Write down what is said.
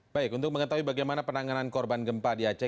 baik untuk mengetahui bagaimana penanganan korban gempa di aceh